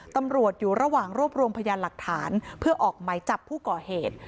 ตำรวจอยู่ระหว่างรวบรวมพยานหลักฐานเพื่อออกหมายจับผู้ก่อเหตุ